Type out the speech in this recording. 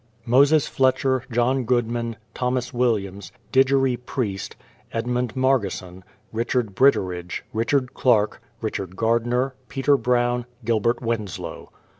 MOSES FLETCHER; JOHN GOODMAN; THOMAS WIL LIAMS; DIGERIE PRIEST; EDMUND MARGESON; RICHARD BRITTERIDGE; RICHARD CLARK; RICH ARD GARDNER; PETER BROWN; GILBERT WINSLOW.